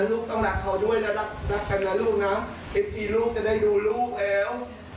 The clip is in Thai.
ลูกต้องรักเขาด้วยนะรักกันนะลูกนะเอฟทีลูกจะได้ดูลูกแล้ว